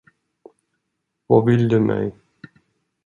Vad vill du mig?